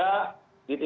di tingkat petang